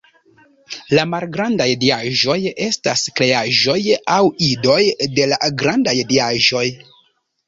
La malgrandaj diaĵoj estas kreaĵoj aŭ idoj de la grandaj diaĵoj.